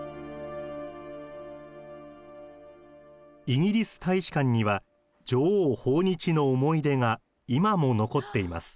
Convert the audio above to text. イギリス大使館には女王訪日の思い出が今も残っています。